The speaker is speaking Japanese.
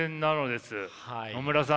野村さん